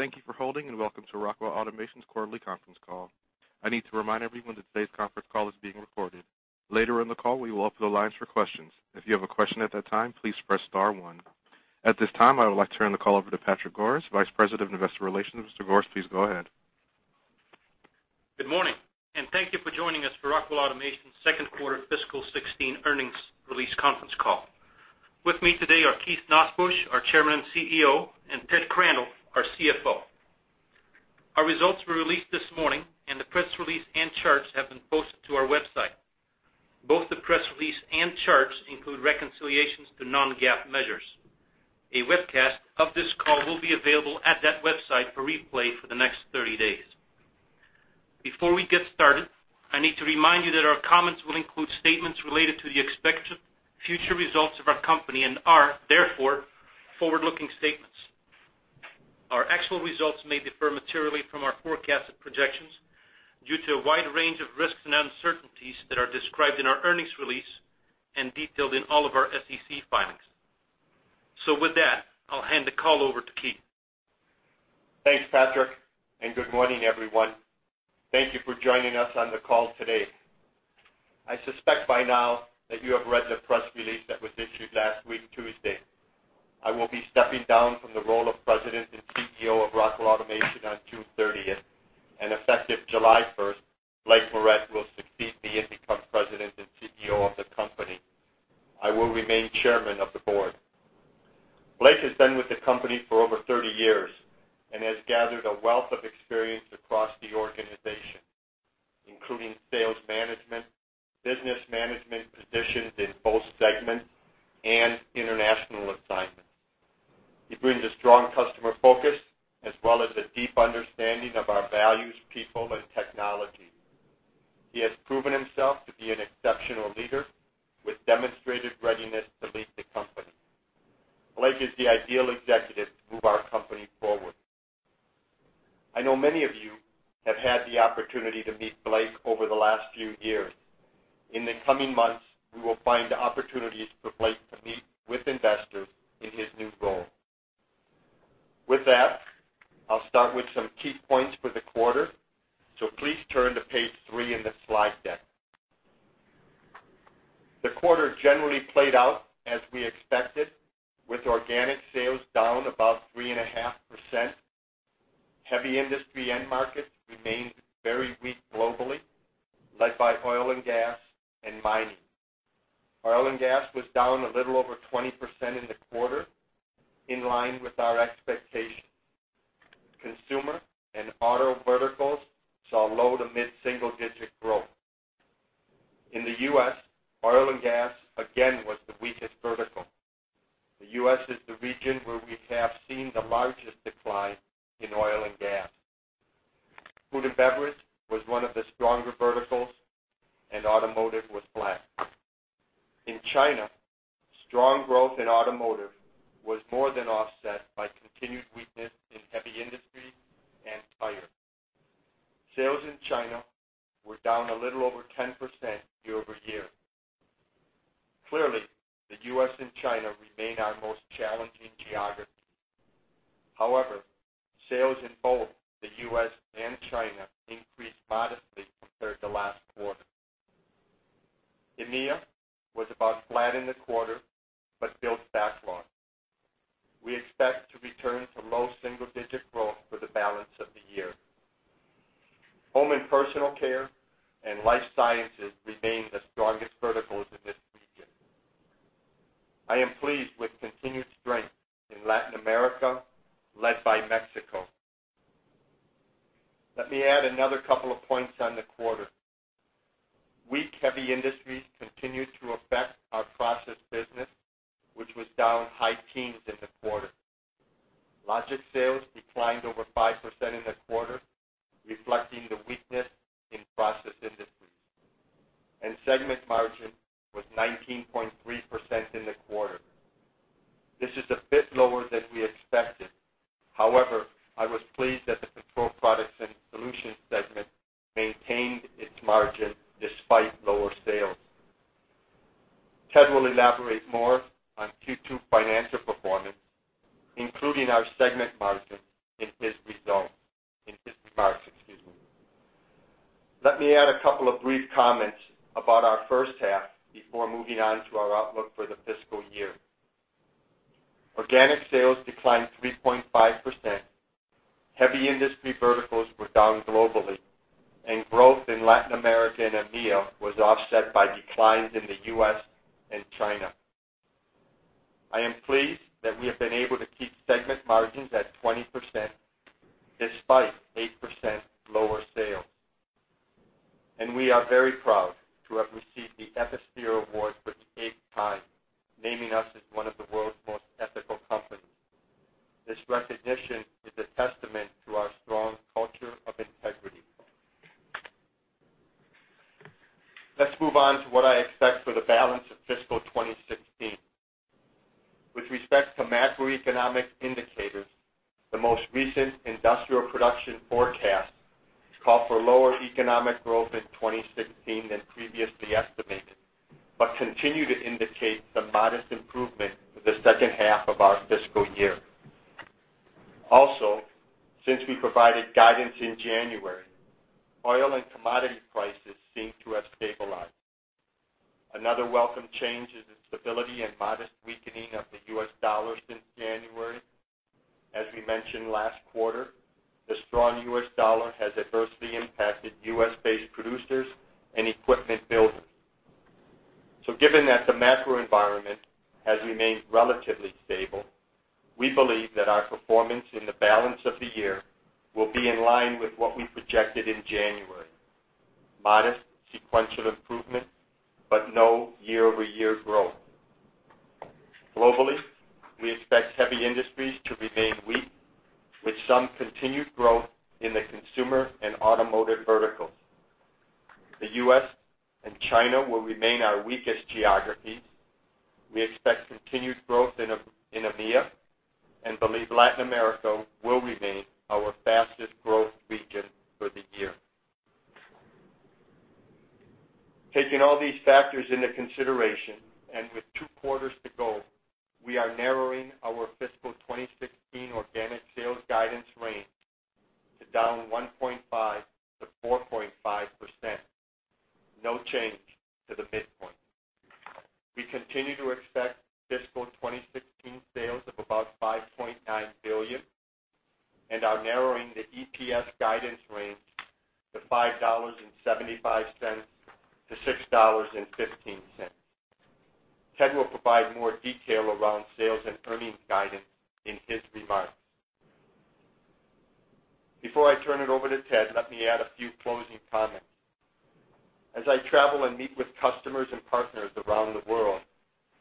Thank you for holding. Welcome to Rockwell Automation's quarterly conference call. I need to remind everyone that today's conference call is being recorded. Later in the call, we will open the lines for questions. If you have a question at that time, please press star one. At this time, I would like to turn the call over to Patrick Goris, Vice President of Investor Relations. Mr. Goris, please go ahead. Good morning. Thank you for joining us for Rockwell Automation's second quarter fiscal 2016 earnings release conference call. With me today are Keith Nosbusch, our Chairman and CEO, and Ted Crandall, our CFO. Our results were released this morning. The press release and charts have been posted to our website. Both the press release and charts include reconciliations to non-GAAP measures. A webcast of this call will be available at that website for replay for the next 30 days. Before we get started, I need to remind you that our comments will include statements related to the expected future results of our company and are, therefore, forward-looking statements. Our actual results may differ materially from our forecasted projections due to a wide range of risks and uncertainties that are described in our earnings release and detailed in all of our SEC filings. With that, I'll hand the call over to Keith. Thanks, Patrick Goris, and good morning, everyone. Thank you for joining us on the call today. I suspect by now that you have read the press release that was issued last week Tuesday. I will be stepping down from the role of President and CEO of Rockwell Automation on June 30th. Effective July 1st, Blake Moret will succeed me and become President and CEO of the company. I will remain Chairman of the board. Blake has been with the company for over 30 years and has gathered a wealth of experience across the organization, including sales management, business management positions in both segments, and international assignments. He brings a strong customer focus as well as a deep understanding of our values, people, and technology. He has proven himself to be an exceptional leader with demonstrated readiness to lead the company. Blake is the ideal executive to move our company forward. I know many of you have had the opportunity to meet Blake over the last few years. In the coming months, we will find opportunities for Blake to meet with investors in his new role. With that, I'll start with some key points for the quarter, so please turn to page three in the slide deck. The quarter generally played out as we expected, with organic sales down about three and a half %. Heavy industry end markets remained very weak globally, led by oil and gas and mining. Oil and gas was down a little over 20% in the quarter, in line with our expectations. Consumer and auto verticals saw low-to-mid single-digit growth. In the U.S., oil and gas again was the weakest vertical. The U.S. is the region where we have seen the largest decline in oil and gas. Food and beverage was one of the stronger verticals. Automotive was flat. In China, strong growth in automotive was more than offset by continued weakness in heavy industry and tires. Sales in China were down a little over 10% year-over-year. Clearly, the U.S. and China remain our most challenging geographies. Sales in both the U.S. and China increased modestly compared to last quarter. EMEA was about flat in the quarter but built backlog. We expect to return to low single-digit growth for the balance of the year. Home and personal care and life sciences remain the strongest verticals in this region. I am pleased with continued strength in Latin America, led by Mexico. Let me add another couple of points on the quarter. Weak heavy industries continued to affect our process business, which was down high teens in the quarter. Logix sales declined over 5% in the quarter, reflecting the weakness in process industries. Segment margin was 19.3% in the quarter. This is a bit lower than we expected. I was pleased that the Control Products & Solutions segment maintained its margin despite lower sales. Ted will elaborate more on Q2 financial performance, including our segment margin, in his remarks. Let me add a couple of brief comments about our first half before moving on to our outlook for the fiscal year. Organic sales declined 3.5%. Heavy industry verticals were down globally. Growth in Latin America and EMEA was offset by declines in the U.S. and China. I am pleased that we have been able to keep segment margins at 20%, despite 8% lower sales. We are very proud to have received the Ethisphere Award for the eighth time, naming us as one of the World's Most Ethical Companies. This recognition is a testament to our strong culture of integrity. Let's move on to what I expect for the balance of fiscal 2016. With respect to macroeconomic indicators, the most recent industrial production forecast calls for lower economic growth in 2016 than previously estimated. Continue to indicate the modest improvement for the second half of our fiscal year. Since we provided guidance in January, oil and commodity prices seem to have stabilized. Another welcome change is the stability and modest weakening of the U.S. dollar since January. As we mentioned last quarter, the strong U.S. dollar has adversely impacted U.S.-based producers and equipment builders. Given that the macro environment has remained relatively stable, we believe that our performance in the balance of the year will be in line with what we projected in January, modest sequential improvement, but no year-over-year growth. Globally, we expect heavy industries to remain weak, with some continued growth in the consumer and automotive verticals. The U.S. and China will remain our weakest geographies. We expect continued growth in EMEA and believe Latin America will remain our fastest growth region for the year. Taking all these factors into consideration, and with two quarters to go, we are narrowing our fiscal 2016 organic sales guidance range to down 1.5%-4.5%, no change to the midpoint. We continue to expect fiscal 2016 sales of about $5.9 billion and are narrowing the EPS guidance range to $5.75-$6.15. Ted will provide more detail around sales and earnings guidance in his remarks. Before I turn it over to Ted, let me add a few closing comments. As I travel and meet with customers and partners around the world,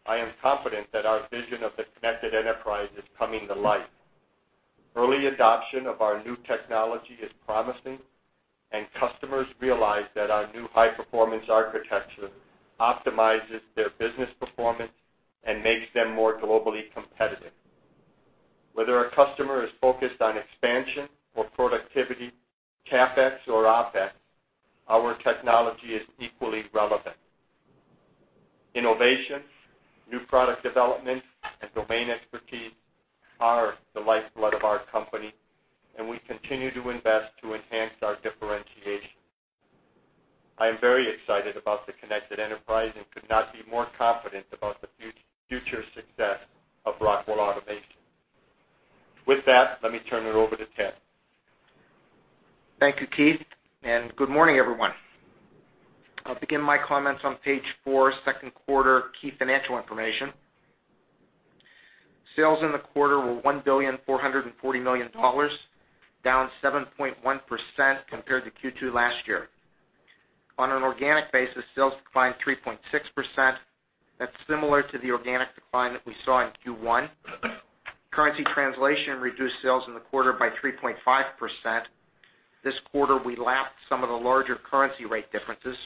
I am confident that our vision of The Connected Enterprise is coming to life. Early adoption of our new technology is promising, and customers realize that our new high-performance architecture optimizes their business performance and makes them more globally competitive. Whether a customer is focused on expansion or productivity, CapEx or OpEx, our technology is equally relevant. Innovation, new product development, and domain expertise are the lifeblood of our company, and we continue to invest to enhance our differentiation. I am very excited about The Connected Enterprise and could not be more confident about the future success of Rockwell Automation. With that, let me turn it over to Ted. Thank you, Keith, and good morning, everyone. I'll begin my comments on Page four, second quarter key financial information. Sales in the quarter were $1.440 billion, down 7.1% compared to Q2 last year. On an organic basis, sales declined 3.6%. That's similar to the organic decline that we saw in Q1. Currency translation reduced sales in the quarter by 3.5%. This quarter, we lapped some of the larger currency rate differences.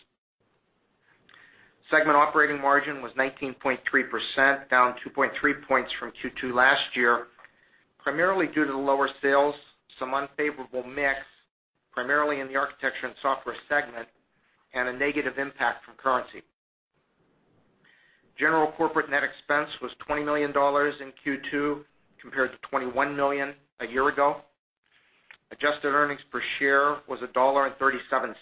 Segment operating margin was 19.3%, down 2.3 points from Q2 last year, primarily due to the lower sales, some unfavorable mix, primarily in the Architecture & Software segment, and a negative impact from currency. General corporate net expense was $20 million in Q2 compared to $21 million a year ago. Adjusted earnings per share was $1.37,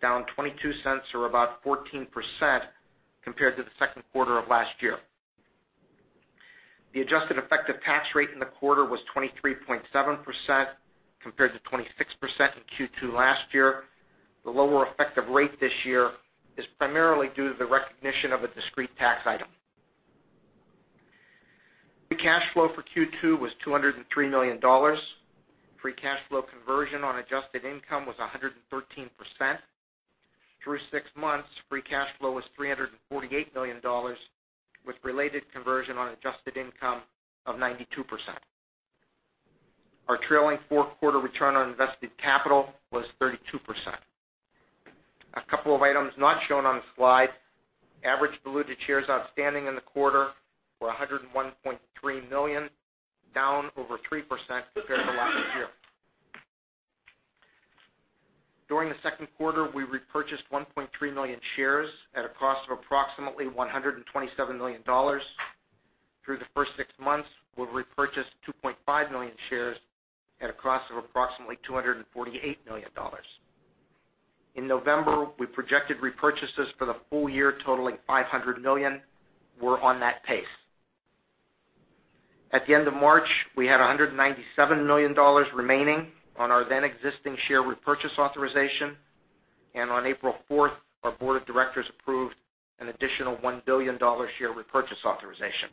down $0.22 or about 14% compared to the second quarter of last year. The adjusted effective tax rate in the quarter was 23.7% compared to 26% in Q2 last year. The lower effective rate this year is primarily due to the recognition of a discrete tax item. Free cash flow for Q2 was $203 million. Free cash flow conversion on adjusted income was 113%. Through six months, free cash flow was $348 million, with related conversion on adjusted income of 92%. Our trailing four-quarter return on invested capital was 32%. A couple of items not shown on the slide. Average diluted shares outstanding in the quarter were 101.3 million, down over 3% compared to last year. During the second quarter, we repurchased 1.3 million shares at a cost of approximately $127 million. Through the first six months, we've repurchased 2.5 million shares at a cost of approximately $248 million. In November, we projected repurchases for the full year totaling $500 million. We're on that pace. At the end of March, we had $197 million remaining on our then existing share repurchase authorization. On April 4th, our board of directors approved an additional $1 billion share repurchase authorization.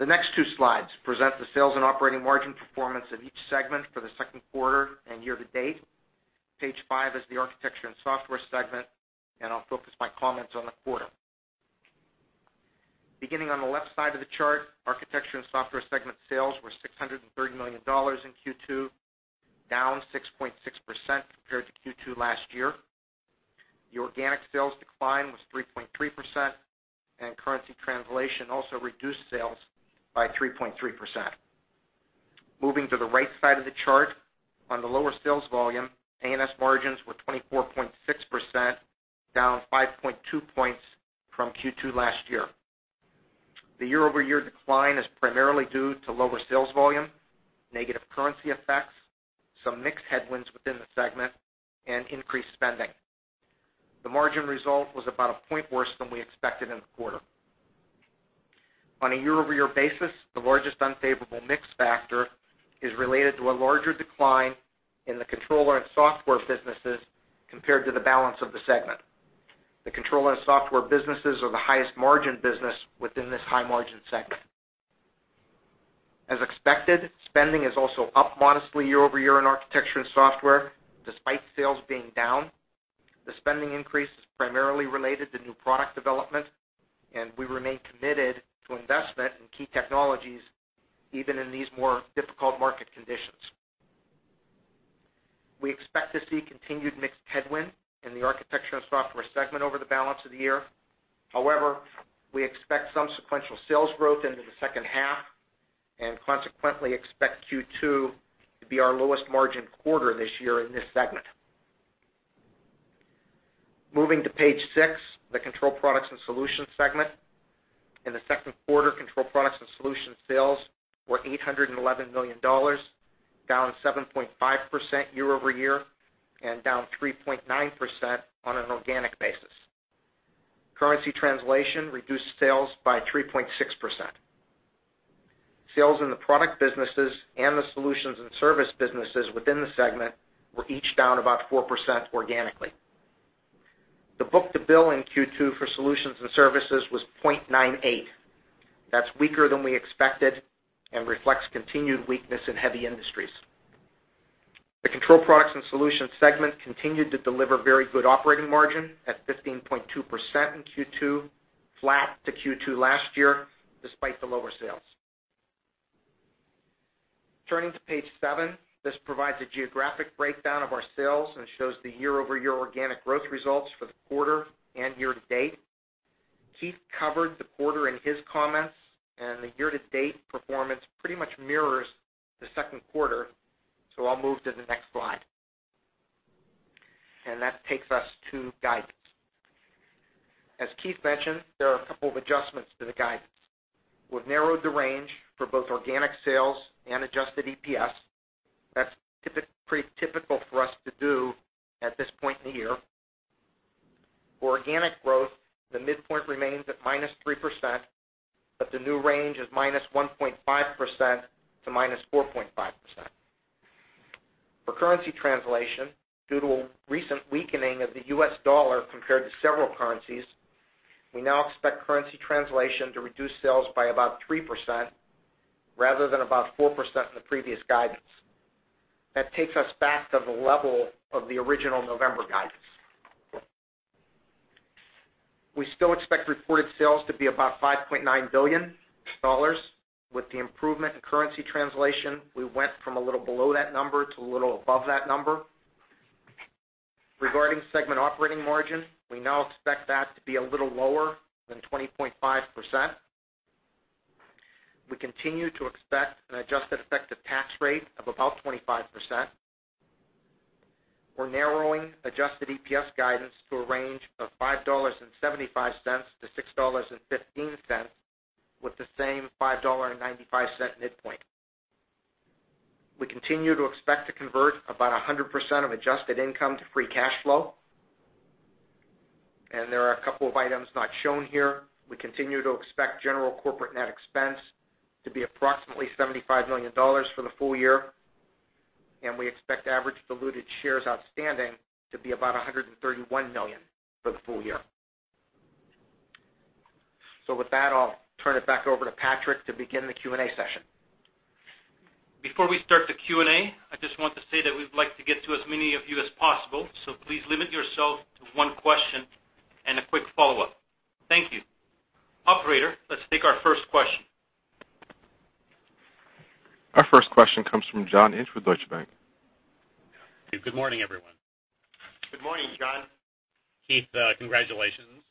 The next two slides present the sales and operating margin performance of each segment for the second quarter and year to date. Page 5 is the Architecture & Software segment. I'll focus my comments on the quarter. Beginning on the left side of the chart, Architecture & Software segment sales were $630 million in Q2, down 6.6% compared to Q2 last year. The organic sales decline was 3.3%. Currency translation also reduced sales by 3.3%. Moving to the right side of the chart, on the lower sales volume, A&S margins were 24.6%, down 5.2 points from Q2 last year. The year-over-year decline is primarily due to lower sales volume, negative currency effects, some mixed headwinds within the segment, and increased spending. The margin result was about a point worse than we expected in the quarter. On a year-over-year basis, the largest unfavorable mix factor is related to a larger decline in the controller and software businesses compared to the balance of the segment. The controller and software businesses are the highest margin business within this high-margin segment. As expected, spending is also up modestly year-over-year in Architecture & Software, despite sales being down. The spending increase is primarily related to new product development. We remain committed to investment in key technologies, even in these more difficult market conditions. We expect to see continued mixed headwind in the Architecture & Software segment over the balance of the year. We expect some sequential sales growth into the second half. Consequently, expect Q2 to be our lowest margin quarter this year in this segment. Moving to page six, the Control Products & Solutions segment. In the second quarter, Control Products & Solutions sales were $811 million, down 7.5% year-over-year. Down 3.9% on an organic basis, currency translation reduced sales by 3.6%. Sales in the product businesses and the solutions and service businesses within the segment were each down about 4% organically. The book-to-bill in Q2 for solutions and services was 0.98. That's weaker than we expected. Reflects continued weakness in heavy industries. The Control Products & Solutions segment continued to deliver very good operating margin at 15.2% in Q2, flat to Q2 last year, despite the lower sales. Turning to page seven, this provides a geographic breakdown of our sales. Shows the year-over-year organic growth results for the quarter and year-to-date. Keith covered the quarter in his comments. The year-to-date performance pretty much mirrors the second quarter. I'll move to the next slide. That takes us to guidance. As Keith mentioned, there are a couple of adjustments to the guidance. We've narrowed the range for both organic sales and adjusted EPS. That's pretty typical for us to do at this point in the year. For organic growth, the midpoint remains at -3%. The new range is -1.5% to -4.5%. For currency translation, due to a recent weakening of the US dollar compared to several currencies, we now expect currency translation to reduce sales by about 3% rather than about 4% in the previous guidance. That takes us back to the level of the original November guidance. We still expect reported sales to be about $5.9 billion. With the improvement in currency translation, we went from a little below that number to a little above that number. Regarding segment operating margin, we now expect that to be a little lower than 20.5%. We continue to expect an adjusted effective tax rate of about 25%. We're narrowing adjusted EPS guidance to a range of $5.75-$6.15, with the same $5.95 midpoint. We continue to expect to convert about 100% of adjusted income to free cash flow. There are a couple of items not shown here. We continue to expect general corporate net expense to be approximately $75 million for the full year, and we expect average diluted shares outstanding to be about 131 million for the full year. With that, I'll turn it back over to Patrick to begin the Q&A session. Before we start the Q&A, I just want to say that we'd like to get to as many of you as possible, so please limit yourself to one question and a quick follow-up. Thank you. Operator, let's take our first question. Our first question comes from John Inch with Deutsche Bank. Good morning, everyone. Good morning, John. Keith, congratulations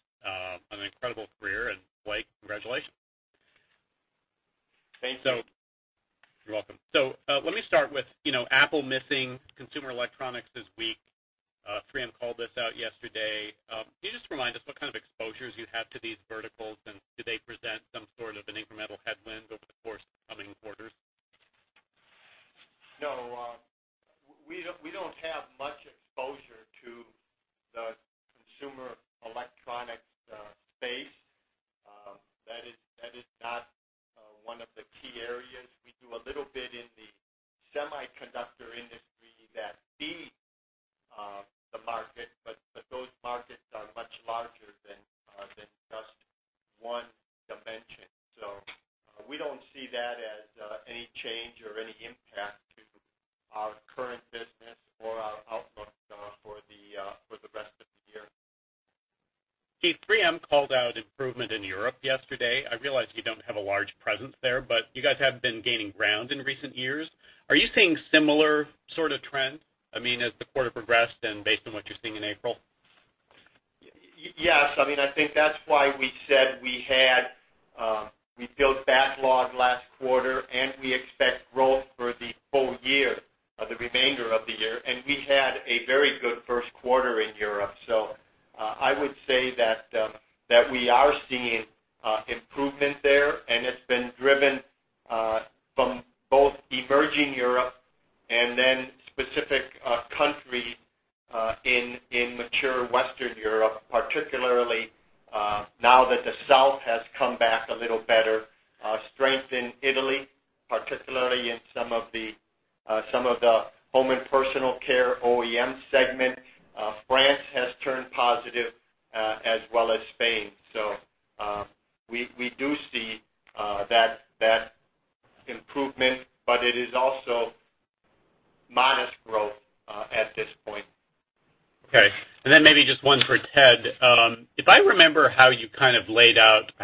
on an incredible career, and Blake, congratulations. Thank you. You're welcome. Let me start with Apple missing consumer electronics this week. Priyam called this out yesterday. Can you just remind us what kind of exposures you have to these verticals, and do they present some sort of an incremental headwind over the course of the coming quarters? No. We don't have much exposure to the consumer electronics space. That is not one of the key areas. We do a little bit in the semiconductor industry that feeds the market, but those markets are much larger than just one dimension. We don't see that as any change or any impact to our current business or our outlook for the rest of the year. Keith, 3M called out improvement in Europe yesterday. I realize you don't have a large presence there, but you guys have been gaining ground in recent years. Are you seeing similar sort of trend? I mean, as the quarter progressed and based on what you're seeing in April? Yes. I think that's why we said we built backlog last quarter, and we expect growth for the full year, the remainder of the year. We had a very good first quarter in Europe. I would say that we are seeing improvement there, and it's been driven from both emerging Europe and then specific countries in mature Western Europe, particularly now that the South has come back a little better. Strength in Italy, particularly in some of the Home and Personal Care OEM segment. France has turned positive as well as Spain. We do see that improvement, but it is also modest growth at this point. Okay. Then maybe just one for Ted. If I remember how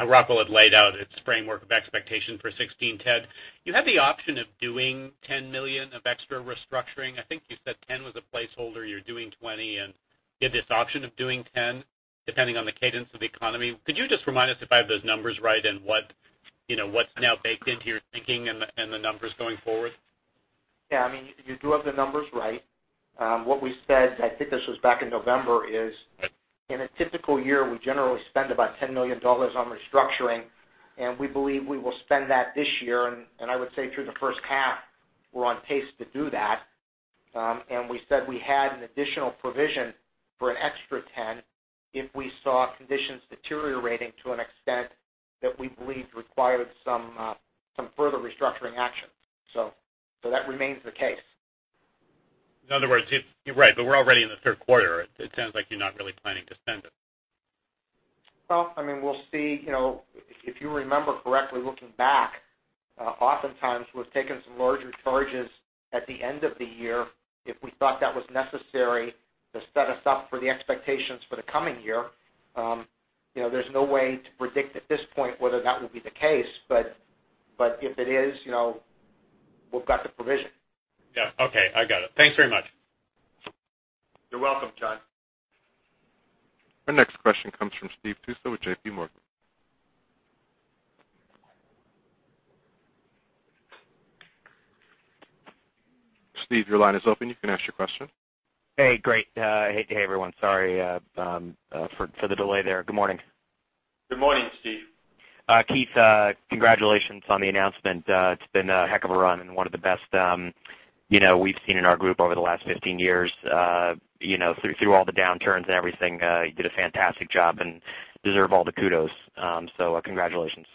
Rockwell had laid out its framework of expectation for 2016, Ted, you had the option of doing $10 million of extra restructuring. I think you said 10 was a placeholder. You're doing 20, and you had this option of doing 10, depending on the cadence of the economy. Could you just remind us if I have those numbers right and what's now baked into your thinking and the numbers going forward? Yeah. You do have the numbers right. What we said, I think this was back in November, is in a typical year, we generally spend about $10 million on restructuring, and we believe we will spend that this year. I would say through the first half, we're on pace to do that. We said we had an additional provision for an extra 10 if we saw conditions deteriorating to an extent that we believed required some further restructuring action. That remains the case. In other words, you're right, we're already in the third quarter. It sounds like you're not really planning to spend it. Well, we'll see. If you remember correctly, looking back, oftentimes we've taken some larger charges at the end of the year if we thought that was necessary to set us up for the expectations for the coming year. There's no way to predict at this point whether that will be the case. If it is, we've got the provision. Yeah. Okay, I got it. Thanks very much. You're welcome, John. Our next question comes from Steve Tusa with J.P. Morgan. Steve, your line is open. You can ask your question. Hey, great. Hey, everyone. Sorry for the delay there. Good morning. Good morning, Steve. Keith, congratulations on the announcement. It's been a heck of a run and one of the best we've seen in our group over the last 15 years. Through all the downturns and everything, you did a fantastic job and deserve all the kudos. Congratulations.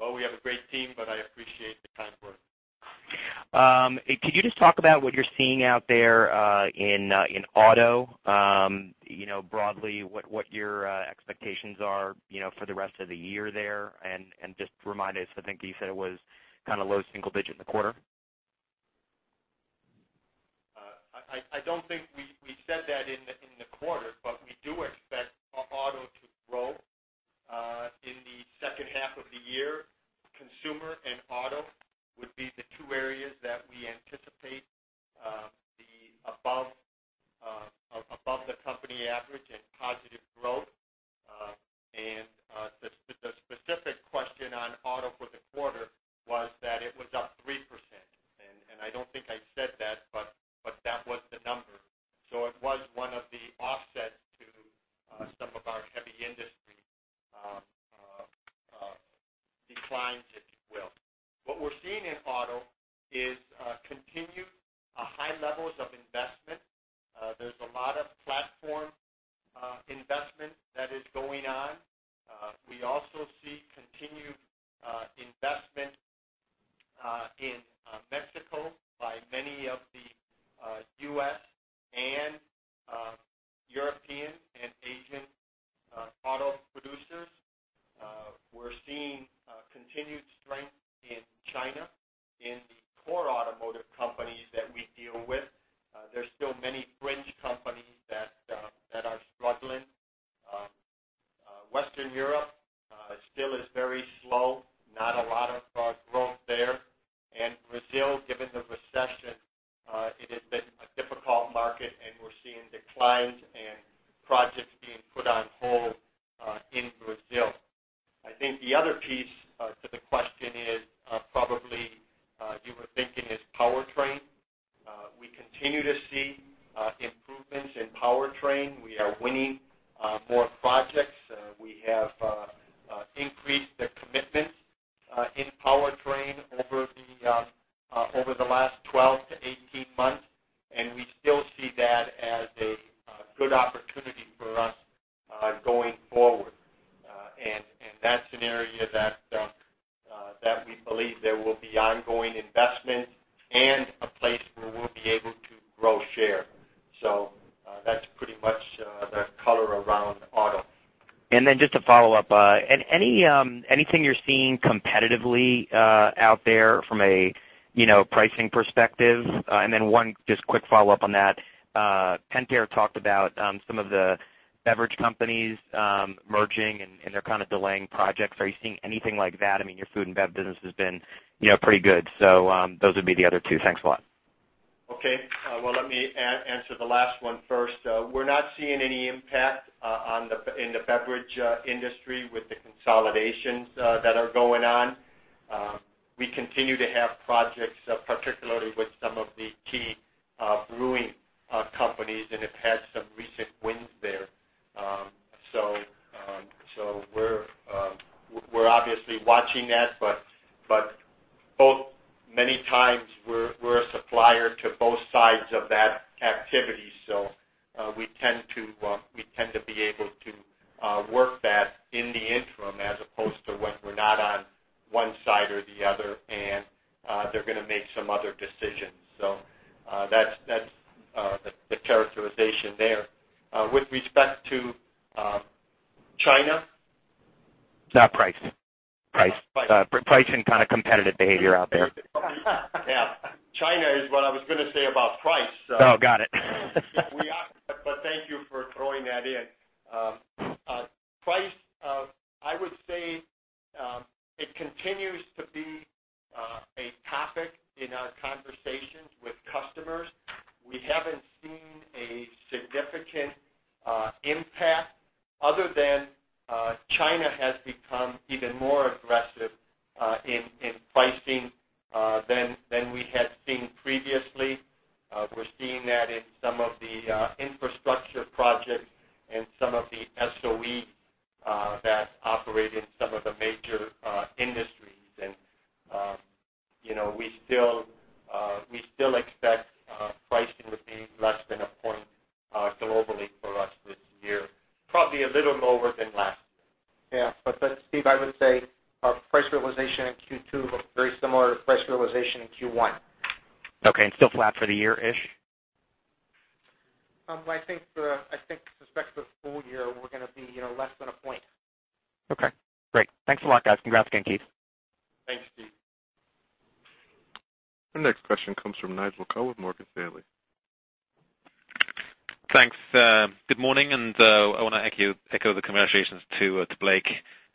Well, we have a great team, but I appreciate the kind words. Could you just talk about what you're seeing out there in auto? Broadly, what your expectations are for the rest of the year there? Just remind us, I think you said it was kind of low single digit in the quarter. I don't think we said that in the quarter, but we do expect auto to grow in the second half of the year. Consumer and auto would be the two areas that we anticipate above the company average and positive growth. The specific question on auto for the quarter was that it was up 3%, and I don't think I said that, but that was the number. It was one of the offsets to some of our heavy industry declines, if you will. What we're seeing in auto is continued high levels of investment. There's a lot of platform investment that is going on. We also see continued investment in Mexico by many of the U.S. and European and Asian auto producers. We're seeing continued strength in China in the core automotive companies that we deal with. There's still many fringe companies that are struggling. Western Europe Okay. Well, let me answer the last one first. We're not seeing any impact in the beverage industry with the consolidations that are going on. We continue to have projects, particularly with some of the key brewing companies, and have had some recent wins there. We're obviously watching that, but many times we're a supplier to both sides of that activity. We tend to be able to work that in the interim as opposed to when we're not on one side or the other and they're going to make some other decisions. That's the characterization there. With respect to China? No, price. Price. Pricing kind of competitive behavior out there. Yeah. China is what I was going to say about price. Oh, got it. Thank you for throwing that in. Price, I would say, it continues to be a topic in our conversations with customers. We haven't seen a significant impact other than China has become even more aggressive in pricing than we had seen previously. We're seeing that in some of the infrastructure projects and some of the SOEs that operate in some of the major industries, and we still expect pricing to be less than a point globally for us this year. Probably a little lower than last year. Yeah. Steve, I would say our price realization in Q2 looked very similar to price realization in Q1. Okay, still flat for the year-ish? I think with respect to the full year, we're going to be less than a point. Okay, great. Thanks a lot, guys. Congrats again, Keith. Thanks, Steve. Our next question comes from Nigel Coe with Morgan Stanley. Thanks. Good morning. I want to echo the congratulations to Blake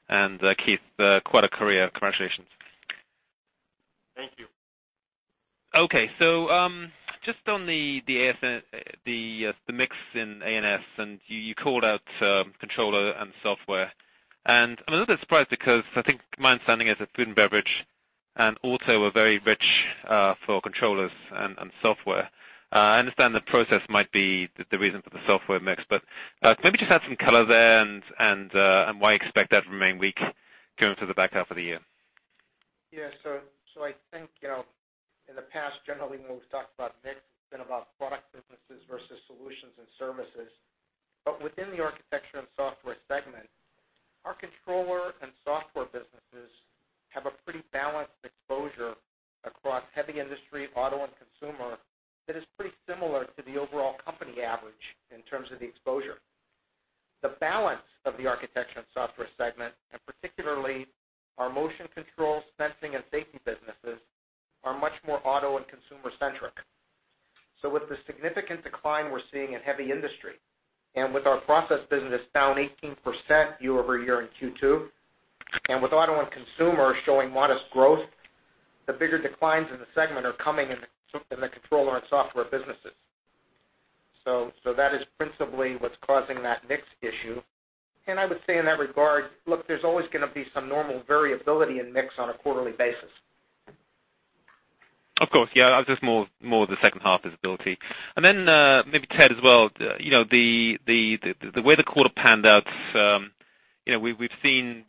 and Keith. Quite a career, congratulations. Thank you. Okay, just on the mix in A&S, you called out controller and software. I'm a little bit surprised because I think my understanding is that food and beverage and auto are very rich for controllers and software. I understand that process might be the reason for the software mix, maybe just add some color there and why expect that to remain weak going through the back half of the year? Yeah. I think, in the past, generally when we've talked about mix, it's been about product businesses versus solutions and services. Within the Architecture & Software segment, our controller and software businesses have a pretty balanced exposure across heavy industry, auto, and consumer that is pretty similar to the overall company average in terms of the exposure. The balance of the Architecture & Software segment, and particularly our motion control, sensing, and safety businesses, are much more auto and consumer-centric. With the significant decline we're seeing in heavy industry, and with our process business down 18% year-over-year in Q2, and with auto and consumer showing modest growth, the bigger declines in the segment are coming in the controller and software businesses. That is principally what's causing that mix issue. I would say in that regard, look, there's always going to be some normal variability in mix on a quarterly basis. Of course, yeah, I was just more the second half visibility. Maybe Ted as well, the way the quarter panned out, we've seen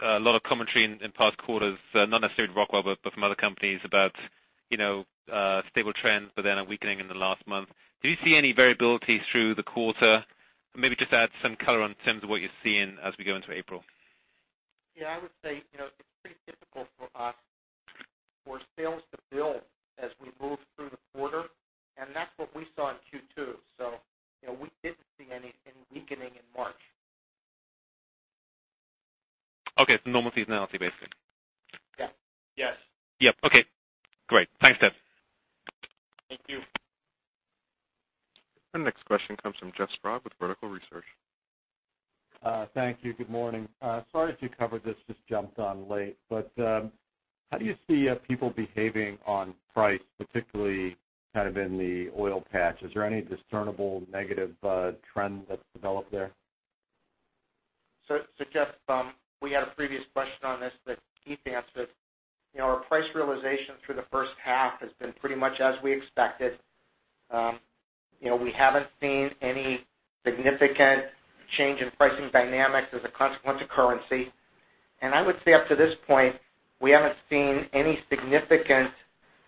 a lot of commentary in past quarters, not necessarily at Rockwell, but from other companies about stable trends, but then a weakening in the last month. Do you see any variability through the quarter? Maybe just add some color in terms of what you're seeing as we go into April. Yeah, I would say, it's pretty typical for us for sales to build as we move through the quarter, and that's what we saw in Q2. We didn't see any weakening in March. Okay. It's normal seasonality, basically. Yeah. Yes. Yep. Okay, great. Thanks, Ted. Thank you. Our next question comes from Jeff Sprague with Vertical Research. Thank you. Good morning. Sorry if you covered this, just jumped on late. How do you see people behaving on price, particularly kind of in the oil patch? Is there any discernible negative trend that's developed there? Jeff, we had a previous question on this that Keith answered. Our price realization through the first half has been pretty much as we expected. We haven't seen any significant change in pricing dynamics as a consequence of currency. I would say up to this point, we haven't seen any significant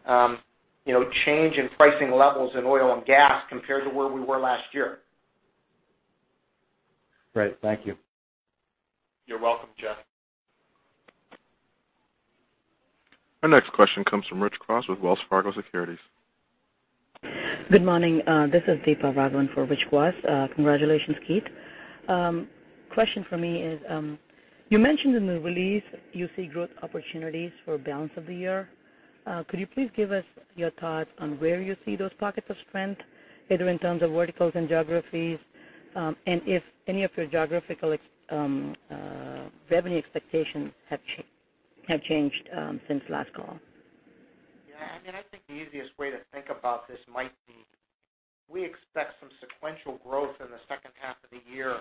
change in pricing levels in oil and gas compared to where we were last year. Great. Thank you. You're welcome, Jeff. Our next question comes from Rich Kwas with Wells Fargo Securities. Good morning. This is Deepa Raghavan for Rich Kwas. Congratulations, Keith. Question for me is, you mentioned in the release you see growth opportunities for balance of the year. Could you please give us your thoughts on where you see those pockets of strength, either in terms of verticals and geographies, and if any of your geographical revenue expectations have changed since last call? I think the easiest way to think about this might be, we expect some sequential growth in the second half of the year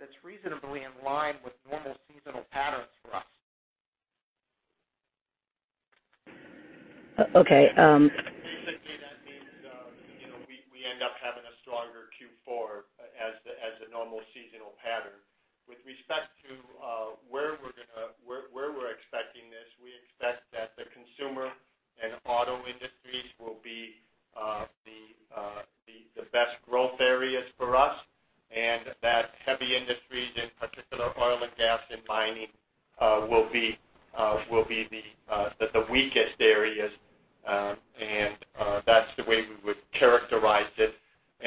that's reasonably in line with normal seasonal patterns for us. Okay. That means we end up having a stronger Q4 as a normal seasonal pattern. With respect to where we're expecting this, we expect that the consumer and auto industries will be the best growth areas for us, and that heavy industries, in particular oil and gas and mining, will be the weakest areas. That's the way we would characterize it.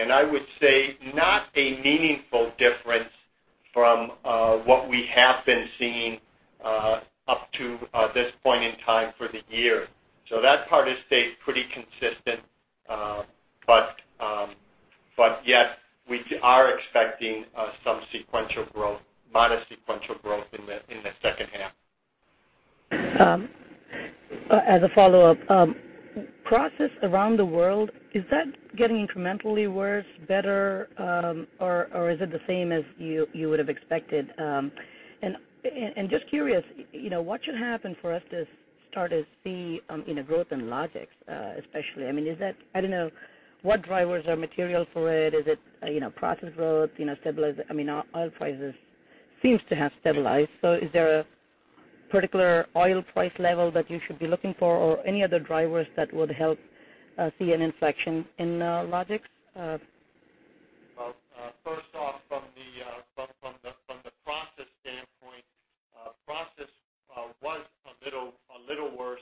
I would say not a meaningful difference from what we have been seeing up to this point in time for the year. That part has stayed pretty consistent, but yet we are expecting some modest sequential growth in the second half. As a follow-up, process around the world, is that getting incrementally worse, better, or is it the same as you would've expected? Just curious, what should happen for us to start to see a growth in Logix, especially? I don't know what drivers are material for it. Is it process growth, stabilized? Oil prices seems to have stabilized, is there a particular oil price level that you should be looking for or any other drivers that would help see an inflection in Logix? First off, from the process standpoint, process was a little worse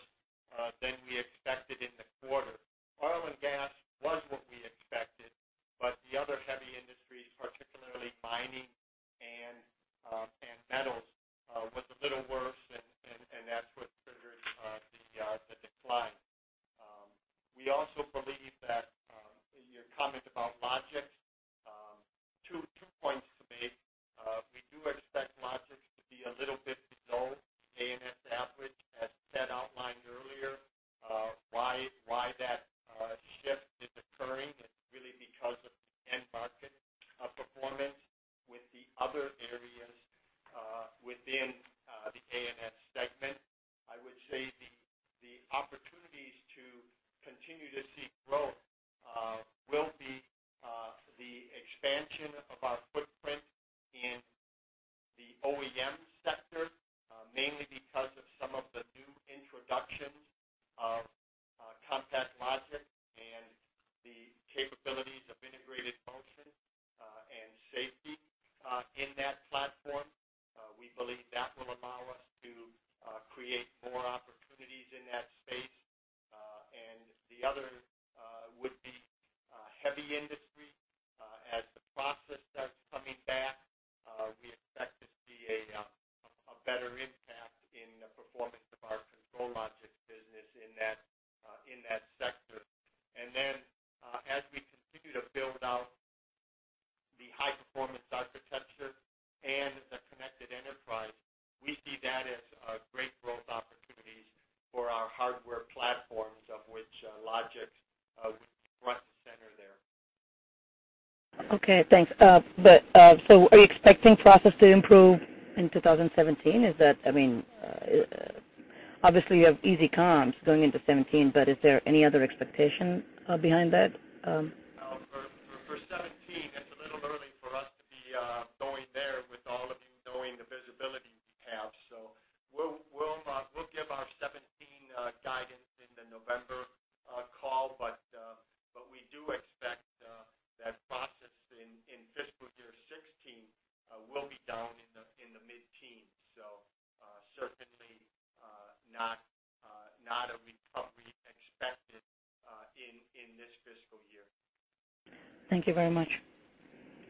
2017, it's a little early for us to be going there with all of you knowing the visibility we have. We'll give our 2017 guidance in the November call, we do expect that process in fiscal year 2016 will be down in the mid-teens. Certainly, not a recovery expected in this fiscal year. Thank you very much.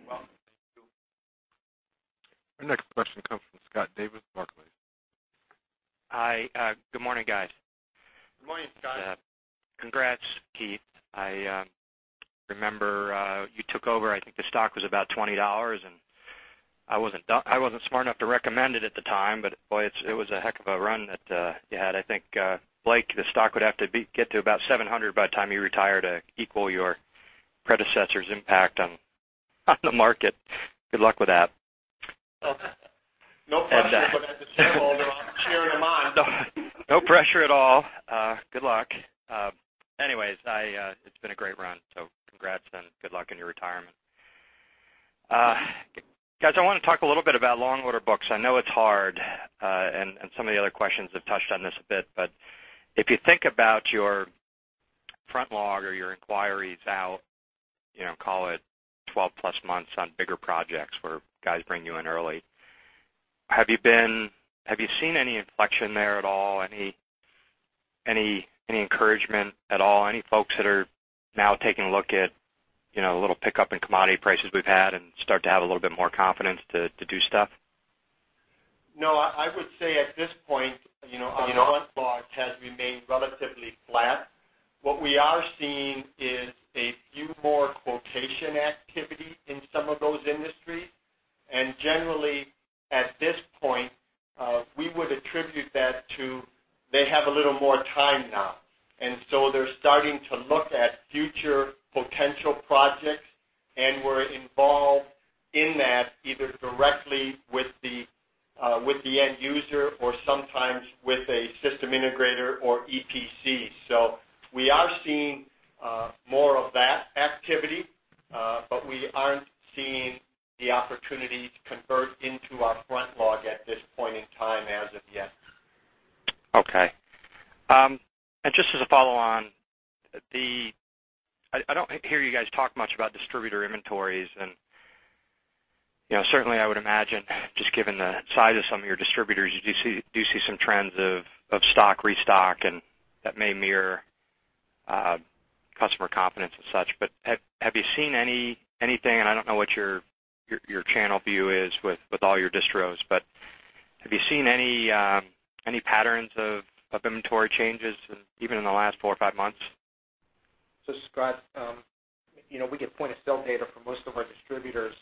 Welcome. Thank you. Our next question comes from Scott Davis, Barclays. Hi. Good morning, guys. Good morning, Scott. Congrats, Keith. I remember you took over, I think the stock was about $20. I wasn't smart enough to recommend it at the time, boy, it was a heck of a run that you had. I think, Blake, the stock would have to get to about 700 by the time you retire to equal your predecessor's impact on the market. Good luck with that. Okay. No pressure for that to say, although I'm cheering him on. No pressure at all. Good luck. Anyways, it's been a great run. Congrats, and good luck in your retirement. Guys, I want to talk a little bit about long order books. I know it's hard, and some of the other questions have touched on this a bit, but if you think about your front log or your inquiries out, call it 12 plus months on bigger projects where guys bring you in early. Have you seen any inflection there at all? Any encouragement at all? Any folks that are now taking a look at, a little pickup in commodity prices we've had and start to have a little bit more confidence to do stuff? No, I would say at this point, our front log has remained relatively flat. What we are seeing is a few more quotation activity in some of those industries. Generally, at this point, we would attribute that to, they have a little more time now, they're starting to look at future potential projects, and we're involved in that either directly with the end user or sometimes with a system integrator or EPC. We are seeing more of that activity, but we aren't seeing the opportunity to convert into our front log at this point in time as of yet. Okay. Just as a follow on, I don't hear you guys talk much about distributor inventories and certainly I would imagine just given the size of some of your distributors, you do see some trends of stock restock and that may mirror customer confidence and such. Have you seen anything, and I don't know what your channel view is with all your distros, but have you seen any patterns of inventory changes even in the last four or five months? Scott, we get point-of-sale data for most of our distributors,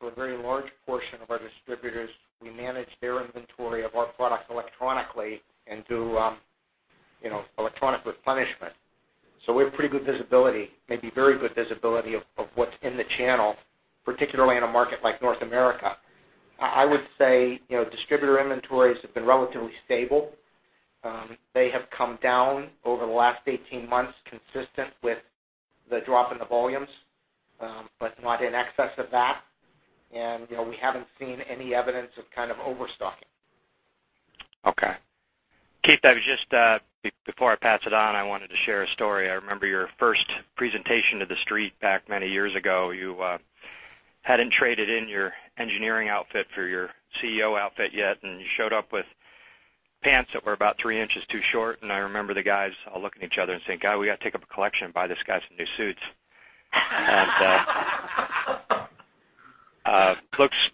for a very large portion of our distributors, we manage their inventory of our products electronically and do electronic replenishment. We have pretty good visibility, maybe very good visibility of what's in the channel, particularly in a market like North America. I would say, distributor inventories have been relatively stable. They have come down over the last 18 months consistent with the drop in the volumes, but not in excess of that. We haven't seen any evidence of kind of overstocking. Okay. Keith, I was just, before I pass it on, I wanted to share a story. I remember your first presentation to the street back many years ago. You hadn't traded in your engineering outfit for your CEO outfit yet, you showed up with pants that were about three inches too short, I remember the guys all looking at each other and saying, "God, we got to take up a collection and buy this guy some new suits."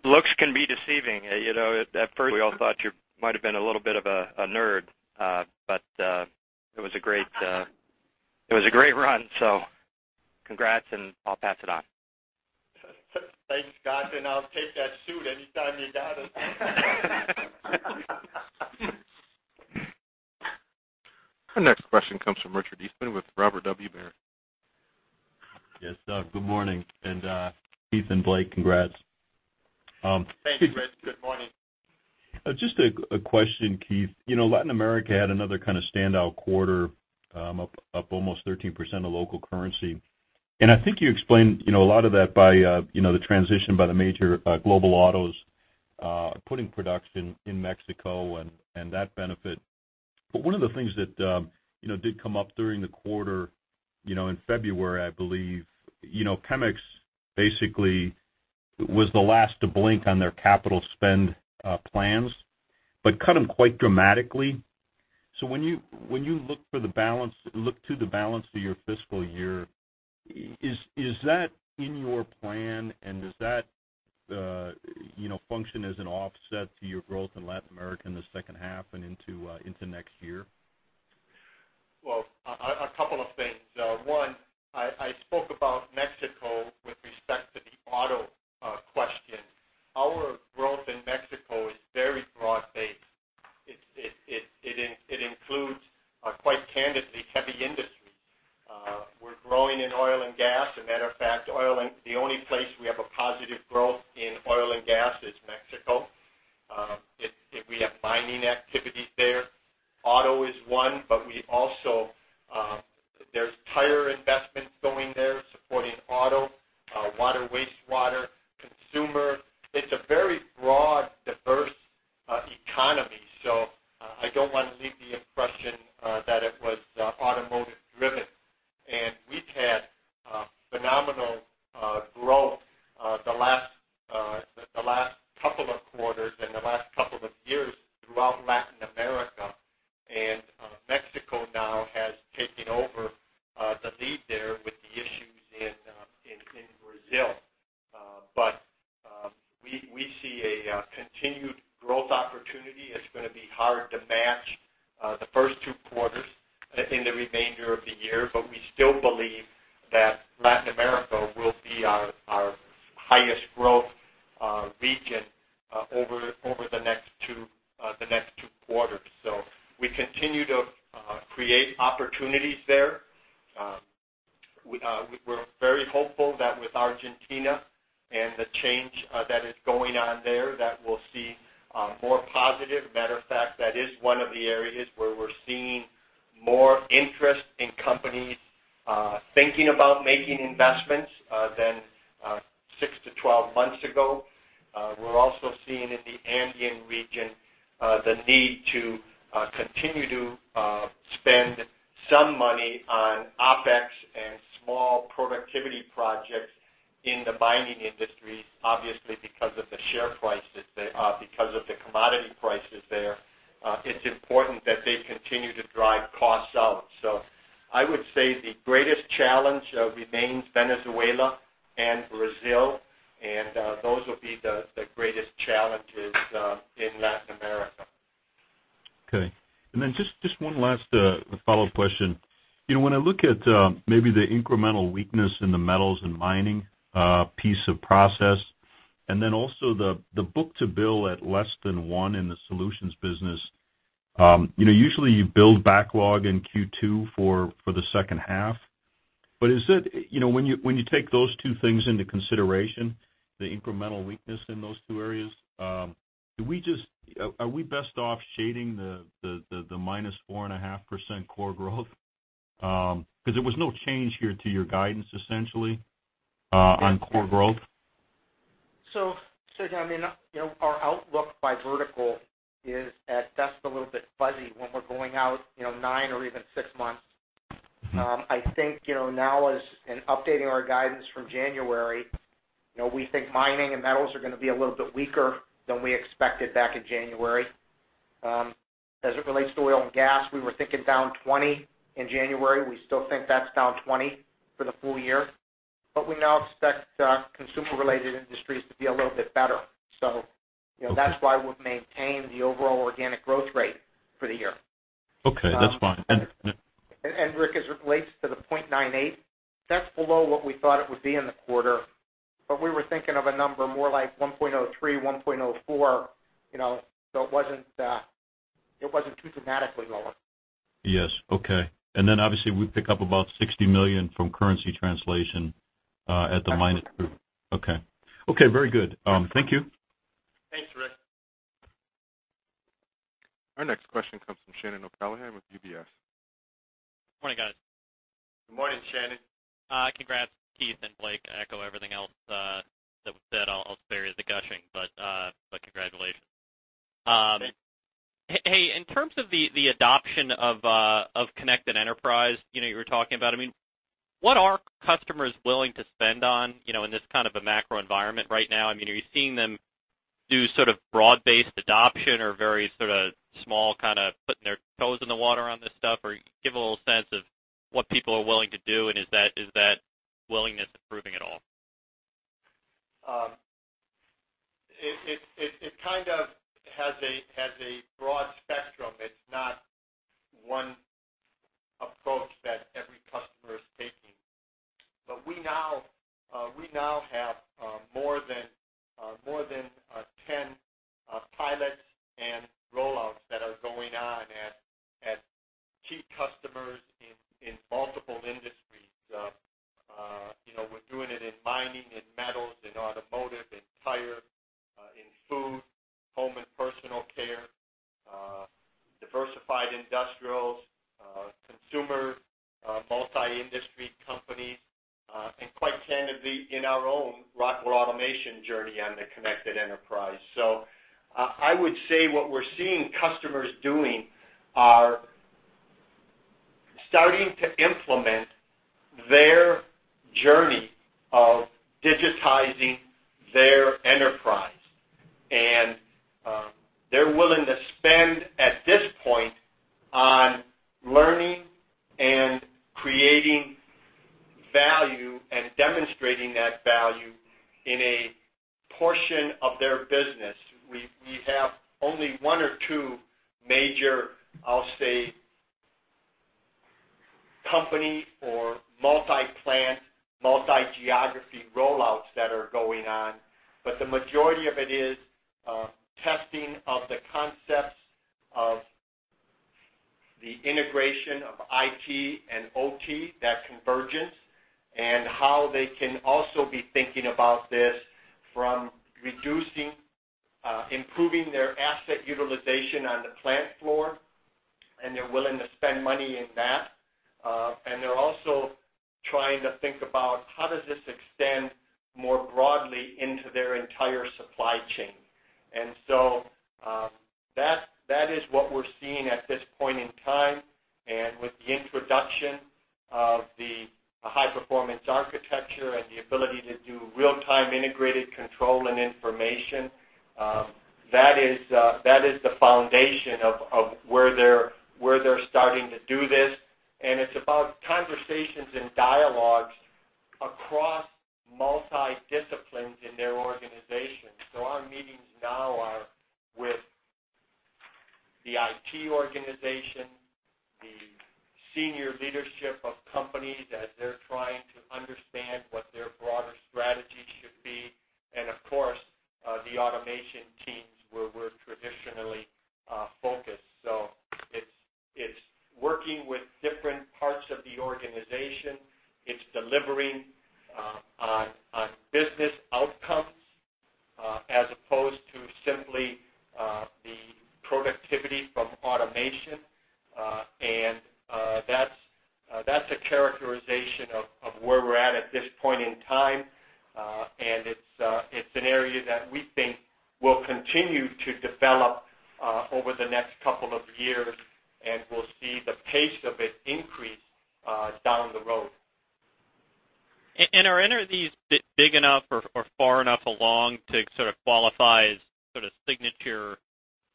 Looks can be deceiving. At first we all thought you might've been a little bit of a nerd. It was a great run, so congrats and I'll pass it on. Thanks, Scott, I'll take that suit anytime you got it. Our next question comes from Richard Eastman with Robert W. Baird. Yes. Good morning, Keith and Blake, congrats. Thanks, Rich. Good morning. Just a question, Keith. Latin America had another kind of standout quarter, up almost 13% of local currency. I think you explained a lot of that by the transition by the major global autos putting production in Mexico and that benefit. One of the things that did come up during the quarter, in February, I believe, Cemex basically was the last to blink on their capital spend plans, but cut them quite dramatically. When you look to the balance of your fiscal year, is that in your plan and does that function as an offset to your growth in Latin America in the second half and into next year? Well, a couple of things. One, I spoke about Mexico with respect to the auto question. Our growth in Mexico is very broad-based. It includes, quite candidly, heavy industries. We're growing in oil and gas. A matter of fact, the only place we have a positive growth in oil and gas is Mexico. We have mining activities there. Auto is one, but there's tire investments going there supporting auto, water, wastewater, consumer. It's a very broad, diverse economy. I don't want to leave the impression that it was automotive driven. We've had phenomenal growth the last couple of quarters and the last couple of years throughout Latin America. Mexico now has taken over the lead there with the issues in Brazil. We see a continued growth opportunity. It's going to be hard to match the first two quarters in the remainder of the year, but we still believe that Latin America will be our highest growth region over the next two quarters. We continue to create opportunities there. We're very hopeful that with Argentina and the change that is going on there, that we'll see more positive. Matter of fact, that is one of the areas where we're seeing more interest in companies thinking about making investments than 12 months ago. We're also seeing in the Andean region, the need to continue to spend some money on OpEx and small productivity projects in the mining industry, obviously, because of the commodity prices there. It's important that they continue to drive costs out. I would say the greatest challenge remains Venezuela and Brazil, and those will be the greatest challenges in Latin America. Okay. Just one last follow-up question. When I look at maybe the incremental weakness in the metals and mining piece of process, and then also the book-to-bill at less than one in the solutions business, usually you build backlog in Q2 for the second half. When you take those two things into consideration, the incremental weakness in those two areas, are we best off shading the -4.5% core growth? Because there was no change here to your guidance, essentially, on core growth. I mean, our outlook by vertical is at best a little bit fuzzy when we're going out nine or even six months. I think, now in updating our guidance from January, we think mining and metals are going to be a little bit weaker than we expected back in January. As it relates to oil and gas, we were thinking down 20 in January. We still think that's down 20 for the full year. We now expect consumer-related industries to be a little bit better. Okay That's why we've maintained the overall organic growth rate for the year. Okay, that's fine. Rich, as it relates to the 0.98, that's below what we thought it would be in the quarter, but we were thinking of a number more like 1.03, 1.04, so it wasn't too dramatically lower. Yes. Okay. Then obviously, we pick up about $60 million from currency translation at the minus two. Okay. Okay, very good. Thank you. Thanks, Rick. Our next question comes from Shannon O'Callaghan with UBS. Morning, guys. Good morning, Shannon. Congrats, Keith and Blake. I echo everything else that was said. I'll spare you the gushing, but congratulations. Thank you. Hey, in terms of the adoption of The Connected Enterprise, you were talking about, I mean, what are customers willing to spend on in this kind of a macro environment right now? I mean, are you seeing them do sort of broad-based adoption or very sort of small, kind of putting their toes in the water on this stuff, or give a little sense of what people are willing to do, and is that willingness improving at all? It kind of has a broad spectrum. It's not one approach that every customer is taking. We now have more than 10 pilots and roll-outs that are going on at key customers in multiple industries. We're doing it in mining, in metals, in automotive, in tire, in food, home and personal care, diversified industrials, consumer multi-industry companies, and quite candidly, in our own Rockwell Automation journey on The Connected Enterprise. I would say what we're seeing customers doing are starting to implement their journey of digitizing their enterprise. They're willing to spend, at this point, on learning and creating value and demonstrating that value in a portion of their business. We have only one or two major, I'll say, company or multi-plant, multi-geography roll-outs that are going on, but the majority of it is testing of the concepts of the integration of IT and OT, that convergence, and how they can also be thinking about this from improving their asset utilization on the plant floor, and they're willing to spend money in that. They're also trying to think about how does this extend more broadly into their entire supply chain. That is what we're seeing at this point in time. With the introduction of the high-performance architecture and the ability to do real-time integrated control and information, that is the foundation of where they're starting to do this. It's about conversations and dialogues across multi-disciplines in their organization. Our meetings now are with the IT organization, the senior leadership of companies as they're trying to understand what their broader strategy should be, and of course, the automation teams where we're traditionally focused. It's working with different parts of the organization. It's delivering on business outcomes as opposed to simply the productivity from automation, that's a characterization of where we're at this point in time, it's an area that we think will continue to develop, over the next couple of years, we'll see the pace of it increase down the road. Are any of these big enough or far enough along to sort of qualify as sort of signature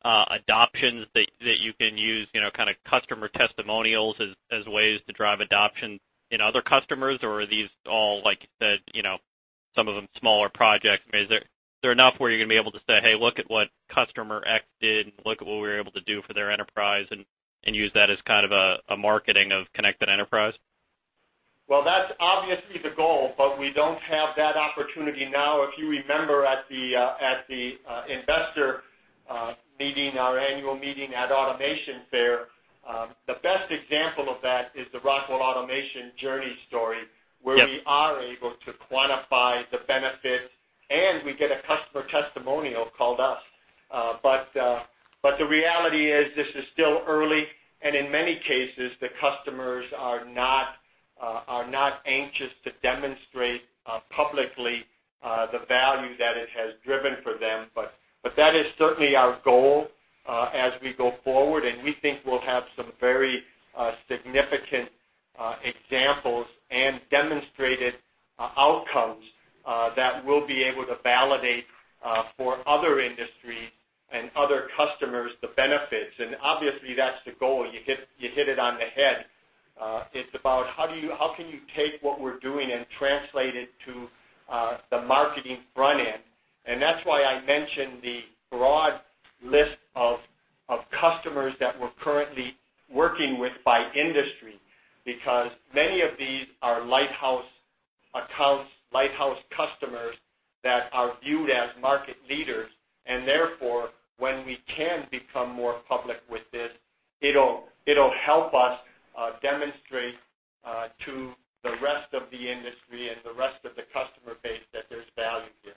adoptions that you can use, kind of customer testimonials as ways to drive adoption in other customers? Are these all, like you said, some of them smaller projects. I mean, is there enough where you're going to be able to say, "Hey, look at what customer X did, and look at what we were able to do for their enterprise," and use that as kind of a marketing of Connected Enterprise? Well, that's obviously the goal, we don't have that opportunity now. If you remember at the investor meeting, our annual meeting at Automation Fair, the best example of that is the Rockwell Automation journey story. Yep where we are able to quantify the benefits, and we get a customer testimonial called up. The reality is this is still early, and in many cases, the customers are not anxious to demonstrate, publicly, the value that it has driven for them. That is certainly our goal, as we go forward, and we think we'll have some very significant examples and demonstrated outcomes, that we'll be able to validate for other industries and other customers, the benefits. Obviously that's the goal. You hit it on the head. It's about how can you take what we're doing and translate it to the marketing front end. That's why I mentioned the broad list of customers that we're currently working with by industry, because many of these are lighthouse accounts, lighthouse customers that are viewed as market leaders, and therefore, when we can become more public with this, it'll help us demonstrate to the rest of the industry and the rest of the customer base that there's value here.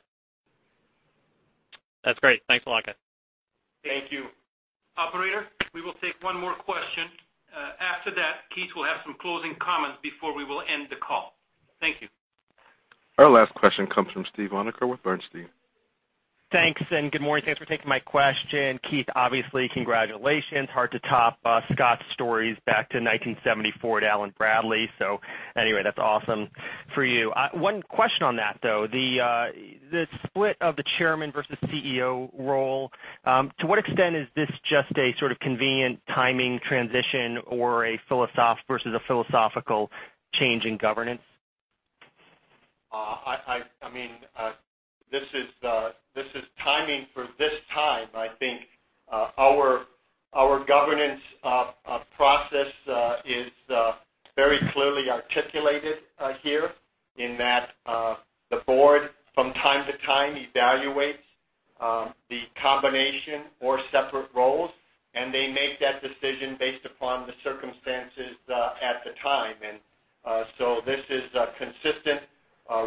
That's great. Thanks a lot, guys. Thank you. Operator, we will take one more question. After that, Keith will have some closing comments before we will end the call. Thank you. Our last question comes from Steve Winoker with Bernstein. Thanks, and good morning. Thanks for taking my question. Keith, obviously, congratulations. Hard to top Scott's stories back to 1970, Ford, Allen-Bradley. Anyway, that's awesome for you. One question on that, though, the split of the chairman versus CEO role, to what extent is this just a sort of convenient timing transition versus a philosophical change in governance? This is timing for this time, I think. Our governance process is very clearly articulated here in that the board from time to time evaluates the combination or separate roles, and they make that decision based upon the circumstances at the time. This is consistent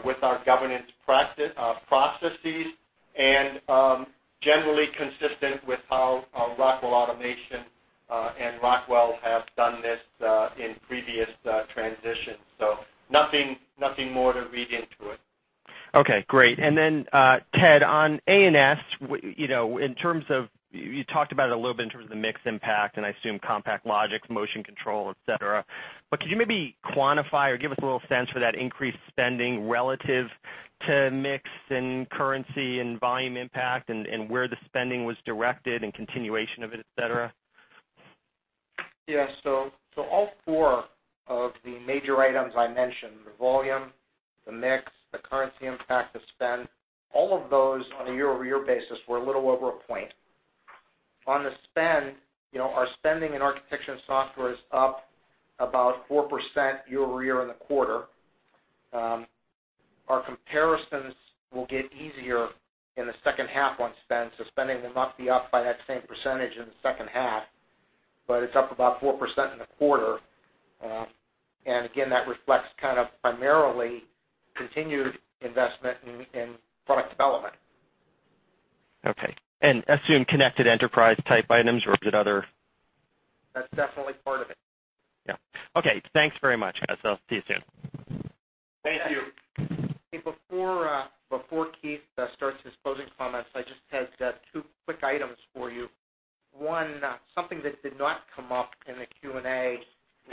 with our governance processes and generally consistent with how Rockwell Automation, and Rockwell have done this in previous transitions. Nothing more to read into it. Okay. Great. Ted, on A&S, you talked about it a little bit in terms of the mix impact, and I assume CompactLogix, motion control, et cetera. Could you maybe quantify or give us a little sense for that increased spending relative to mix and currency and volume impact and where the spending was directed and continuation of it, et cetera? Yeah. All four of the major items I mentioned, the volume, the mix, the currency impact, the spend, all of those on a year-over-year basis were a little over a point. On the spend, our spending in Architecture & Software is up about 4% year-over-year in the quarter. Our comparisons will get easier in the second half on spend, spending will not be up by that same percentage in the second half, but it's up about 4% in the quarter. Again, that reflects kind of primarily continued investment in product development. Okay, assume Connected Enterprise-type items, or was it other? That's definitely part of it. Yeah. Okay. Thanks very much, guys. I'll see you soon. Thank you. Before Keith starts his closing comments, I just have two quick items for you. One, something that did not come up in the Q&A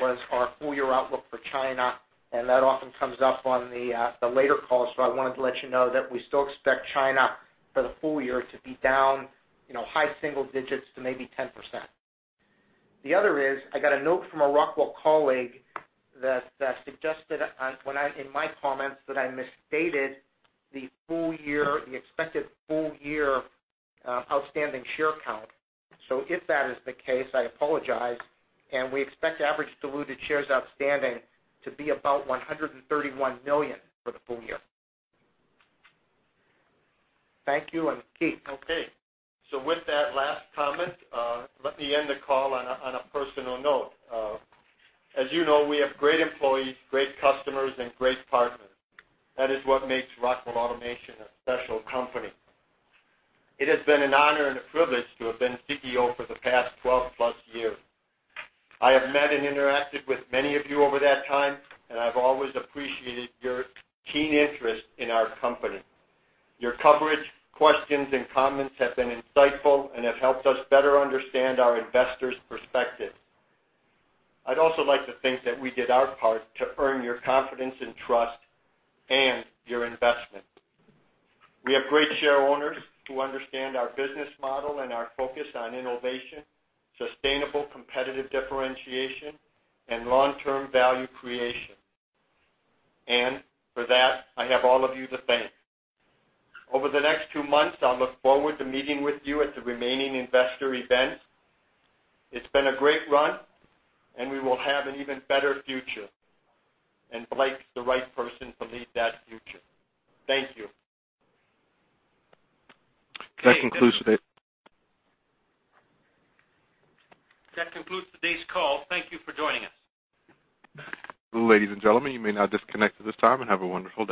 was our full-year outlook for China. That often comes up on the later calls, so I wanted to let you know that we still expect China for the full year to be down, high single digits to maybe 10%. The other is, I got a note from a Rockwell colleague that suggested in my comments that I misstated the expected full-year outstanding share count. If that is the case, I apologize, and we expect average diluted shares outstanding to be about 131 million for the full year. Thank you, and Keith. Okay. With that last comment, let me end the call on a personal note. As you know, we have great employees, great customers, and great partners. That is what makes Rockwell Automation a special company. It has been an honor and a privilege to have been CEO for the past 12-plus years. I have met and interacted with many of you over that time, and I've always appreciated your keen interest in our company. Your coverage, questions, and comments have been insightful and have helped us better understand our investors' perspectives. I'd also like to think that we did our part to earn your confidence and trust and your investment. We have great share owners who understand our business model and our focus on innovation, sustainable competitive differentiation, and long-term value creation. For that, I have all of you to thank. Over the next two months, I'll look forward to meeting with you at the remaining investor events. It's been a great run, and we will have an even better future, and Blake's the right person to lead that future. Thank you. That concludes today. That concludes today's call. Thank you for joining us. Ladies and gentlemen, you may now disconnect at this time and have a wonderful day.